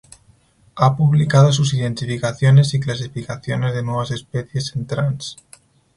Ha publicado sus identificaciones y clasificaciones de nuevas especies en "Trans.